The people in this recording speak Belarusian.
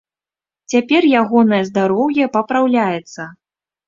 Цяпер ягонае здароўе папраўляецца.